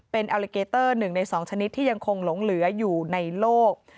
เป็นอัลลิเกเตอร์๑ใน๒ชนิดที่ยังคงหลงเหลืออยู่ในโลก